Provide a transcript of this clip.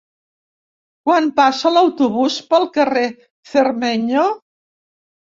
Quan passa l'autobús pel carrer Cermeño?